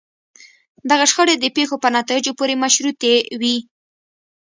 دغه شخړې د پېښو په نتایجو پورې مشروطې وي.